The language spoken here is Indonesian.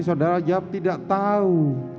saudara jawab tidak tahu